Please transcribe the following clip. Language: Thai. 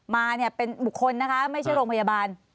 มาเนี่ยเป็นบุคคลนะคะไม่ใช่โรงพยาบาล